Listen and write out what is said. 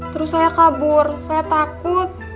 terus saya kabur saya takut